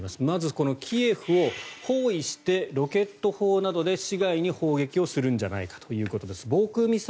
まず、キエフを包囲してロケット砲などで市街に砲撃をするんじゃないかということです。